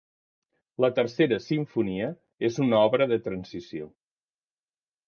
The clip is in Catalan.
La Tercera Simfonia és una obra de transició.